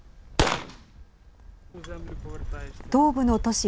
東部の都市